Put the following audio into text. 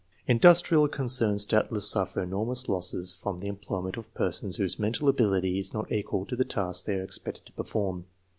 Industrial concerns doubtless suffer enormous losses from the employment of persons whose mental ability is not equal to the tasks they are expected to perform.